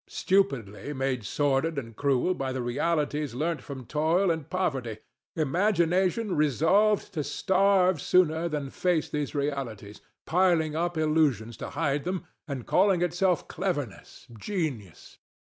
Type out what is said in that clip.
Stupidity made sordid and cruel by the realities learnt from toil and poverty: Imagination resolved to starve sooner than face these realities, piling up illusions to hide them, and calling itself cleverness, genius!